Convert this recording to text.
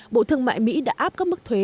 bộ thương mại mỹ đã áp các mức thuế